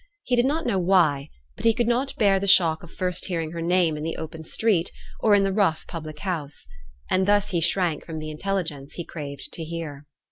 He did not know why, but he could not bear the shock of first hearing her name in the open street, or in the rough public house. And thus he shrank from the intelligence he craved to hear.